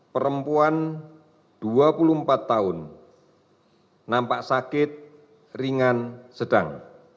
lima puluh tiga perempuan dua puluh empat tahun nampak sakit ringan sedang